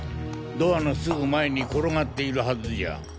ドアのすぐ前に転がっているはずじゃ。